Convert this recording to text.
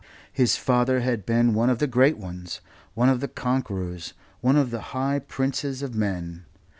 His father had been one of the great ones, one of the conquerors, one of the high princes of men.